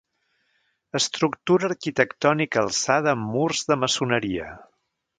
Estructura arquitectònica alçada amb murs de maçoneria.